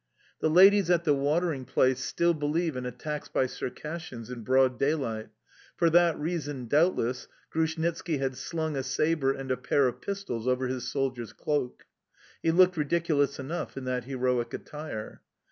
The ladies at the watering place still believe in attacks by Circassians in broad daylight; for that reason, doubtless, Grushnitski had slung a sabre and a pair of pistols over his soldier's cloak. He looked ridiculous enough in that heroic attire.